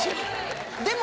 でも。